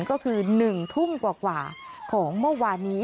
ก็คือ๑ทุ่มกว่าของเมื่อวานนี้